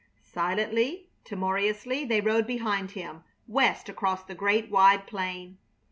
Silently, timorously, they rode behind him, west across the great wide plain.